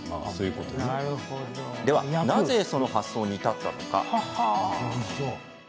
では、なぜその発想に至ったのか。